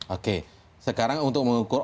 oke sekarang untuk mengukur